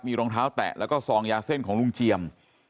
มีรองเท้าแตะแล้วก็ซองยาเส้นของลุงเจียม